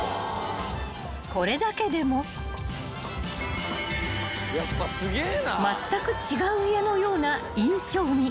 ［これだけでもまったく違う家のような印象に］